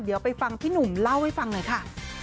เดี๋ยวไปฟังพี่หนุ่มเล่าให้ฟังหน่อยค่ะ